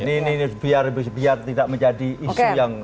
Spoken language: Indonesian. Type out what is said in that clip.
ini biar tidak menjadi isu yang